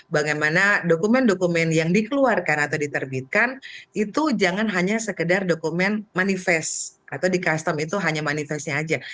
bagaimana dokumen dokumen yang dikeluarkan atau diterbitkan itu jangan hanya sekedar dokumen manifest atau di custom itu hanya manifestnya aja